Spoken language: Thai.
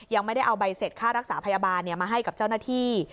ยังไม่ได้เอาใบเสร็จค่ารักษาพยาบาลมาให้กับเจ้าหน้าที่